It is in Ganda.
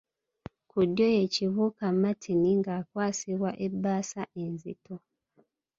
Ku ddyo ye Kibuuka Martin nga akwasibwa ebbaasa enzito.